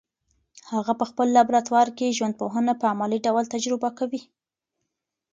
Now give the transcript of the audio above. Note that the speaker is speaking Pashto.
هغه په خپل لابراتوار کي ژوندپوهنه په عملي ډول تجربه کوي.